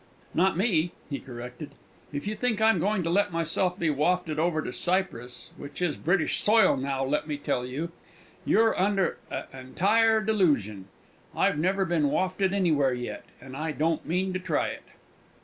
"Not me," he corrected. "If you think I'm going to let myself be wafted over to Cyprus (which is British soil now, let me tell you), you're under a entire delusion. I've never been wafted anywhere yet, and I don't mean to try it!"